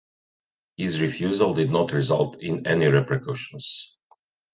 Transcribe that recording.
His refusal did not result in any repercussions.